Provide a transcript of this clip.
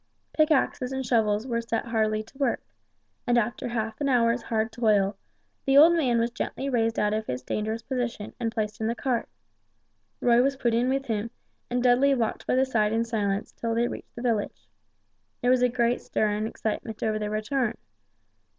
Pickaxes and shovels were set heartily to work, and after half an hour's hard toil, the old man was gently raised out of his dangerous position, and placed in the cart. Roy was put in with him, and Dudley walked by the side in silence until they reached the village. There was a great stir and excitement over their return.